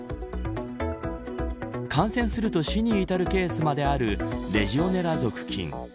感染すると死に至るケースまであるレジオネラ属菌。